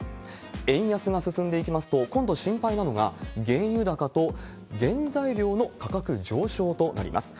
円安が進んでいきますと、今度心配なのが、原油高と原材料の価格上昇となります。